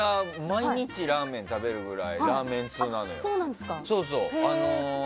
毎日ラーメン食べるくらいラーメン通なのよ。